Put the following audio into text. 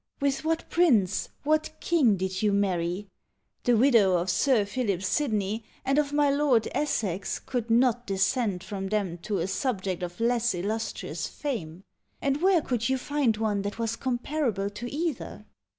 With what prince, what king did you marry? The widow of Sir Philip Sidney and of my Lord Essex could not descend from them to a subject of less illustrious fame; and where could you find one that was comparable to either?